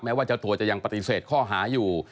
ว่าเจ้าตัวจะยังปฏิเสธข้อหาอยู่